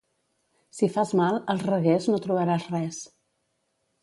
Si fas mal, als Reguers no trobaràs res.